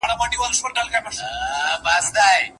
آیا سویل تر شمال ګرم دی؟